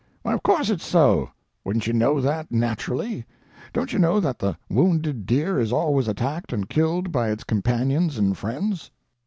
"Why of course it's so. Wouldn't you know that, naturally. Don't you know that the wounded deer is always attacked and killed by its companions and friends?"